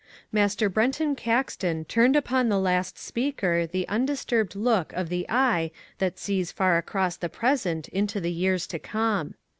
Master Brenton Caxton turned upon the last speaker the undisturbed look of the eye that sees far across the present into the years to come.